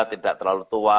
tidak terlalu tua